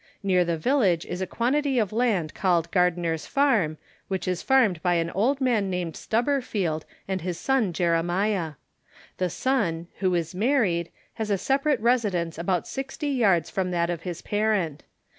Near the village is a quantity of land called Gardener's Farm, which is farmed by an old man named Stubberfield and his son Jeremiah. The son, who is married, has a separate residence about sixty yards from that of his parent.